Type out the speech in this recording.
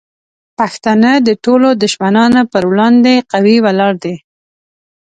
پښتانه د ټولو دشمنانو پر وړاندې قوي ولاړ دي.